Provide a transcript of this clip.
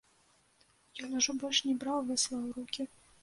Ён ужо больш не браў вясла ў рукі.